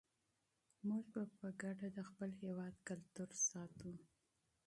موږ به په ګډه د خپل هېواد کلتور ساتو.